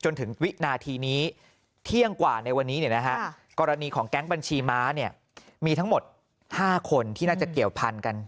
ในซังชีม้าเนี้ยมีทั้งหมด๕คนที่น่าจะเกี่ยวพันธุ์กัน